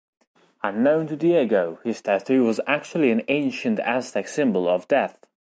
Unknown to Diego, his tattoo was actually an ancient Aztec symbol of death.